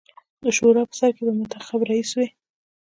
د شورا په سر کې به منتخب رییس وي.